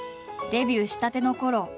デビューしたてのころ